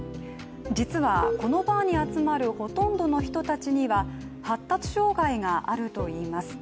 実は、このバーに集まるほとんどの人たちには発達障害があるといいます。